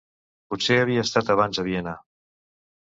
Potser havia estat abans a Viena.